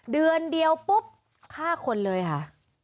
เดือนเดียวปุ๊บฆ่าคนเลยค่ะ